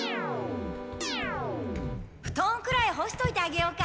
ふとんくらいほしといてあげようか。